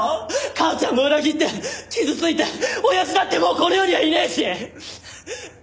母ちゃんも裏切って傷ついて親父だってもうこの世にはいねえし！